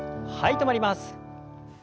止まります。